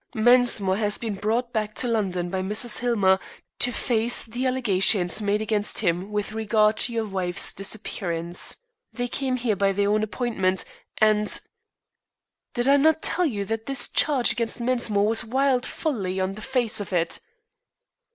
"Mensmore has been brought back to London by Mrs. Hillmer to face the allegations made against him with regard to your wife's disappearance. They came here by their own appointment, and " "Did I not tell you that this charge against Mensmore was wild folly on the face of it?"